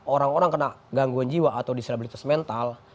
orang orang kena gangguan jiwa atau disabilitas mental